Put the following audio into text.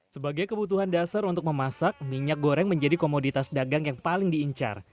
sebagai kebutuhan dasar untuk memasak minyak goreng menjadi komoditas dagang yang paling diincar